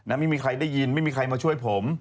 ไม่มีใครได้ยินไม่มีใครมาช่วยผม